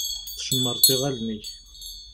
Tcemmṛeḍ iɣallen-ik.